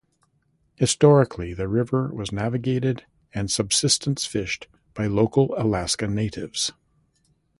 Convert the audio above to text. Historically, the river was navigated and subsistence fished by local Alaska Natives.